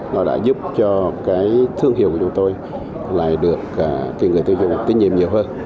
nó đã giúp cho thương hiệu của chúng tôi lại được tiền gửi tiêu dụng